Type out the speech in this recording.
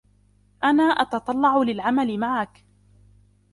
أنا أتتطلع للعمل معك.